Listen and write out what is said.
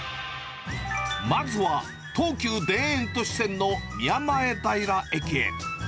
まずは、東急田園都市線の宮前平駅へ。